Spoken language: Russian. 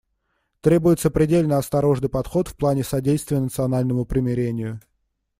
Требуется предельно осторожный подход в плане содействия национальному примирению.